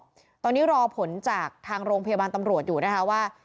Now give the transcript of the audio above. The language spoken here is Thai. ตอนนี้รอผลจากทางโรงพยาบาลตำรวจอยู่นะคะว่า